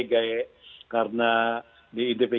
bagaimana cara diperbaiki